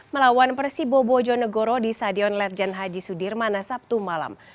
melawan persibo bojonegoro di stadion legend haji sudirmana sabtu malam